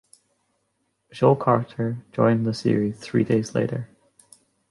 Joelle Carter joined the series three days later.